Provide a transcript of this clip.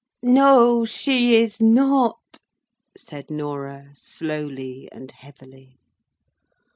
"No, she is not!" said Norah, slowly and heavily.